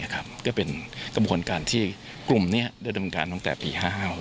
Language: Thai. ก็เป็นกระบวนการที่กลุ่มนี้ได้ดำเนินการตั้งแต่ปี๕๕